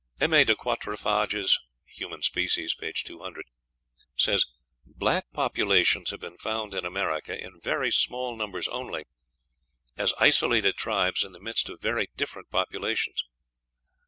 A. de Quatrefages ("Human Species," p. 200) says, "Black populations have been found in America in very small numbers only, as isolated tribes in the midst of very different populations.